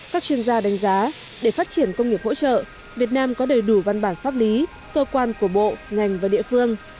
các chuyên gia đánh giá để phát triển công nghiệp hỗ trợ việt nam có đầy đủ văn bản pháp lý cơ quan của bộ ngành và địa phương